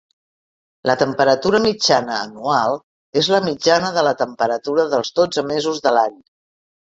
La temperatura mitjana anual és la mitjana de la temperatura dels dotze mesos de l'any.